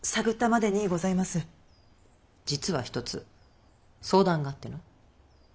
実は一つ相談があっての。